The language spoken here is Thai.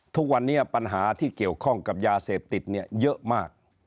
ทุกวันนี้ปัญหาที่เกี่ยวข้องกับยาเสพติดเนี่ยเยอะมาก